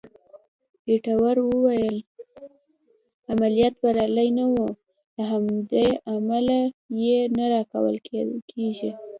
ایټور وویل: عملیات بریالي نه وو، له همدې امله یې نه راکول کېږي.